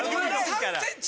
３ｃｍ。